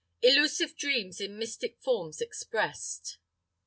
Illusive dreams in mystic forms expressed.